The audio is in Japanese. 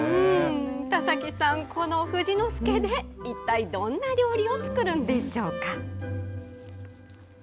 田崎さん、この富士の介で一体どんな料理を作るんでしょうか。